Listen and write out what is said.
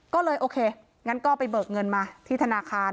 ก็เลยโอเคงั้นก็ไปเบิกเงินมาที่ธนาคาร